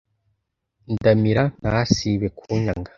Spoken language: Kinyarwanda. ndamira ntasibe kunyaga,